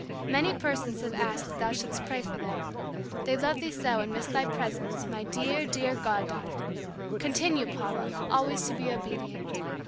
Many persons have asked that thou shouldst pray for them. They love thee so and miss thy presence, my dear, dear god daughter! Continue, Paula, always to be obedient.